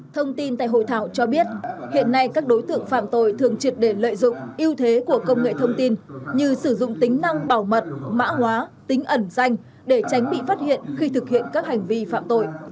thông tin tại hội thảo cho biết hiện nay các đối tượng phạm tội thường triệt để lợi dụng yêu thế của công nghệ thông tin như sử dụng tính năng bảo mật mã hóa tính ẩn danh để tránh bị phát hiện khi thực hiện các hành vi phạm tội